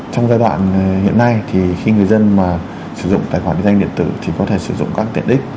trong giai đoạn hiện nay thì khi người dân mà sử dụng tài khoản định danh điện tử thì có thể sử dụng các tiện ích